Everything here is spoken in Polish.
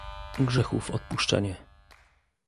grzechów odpuszczenie;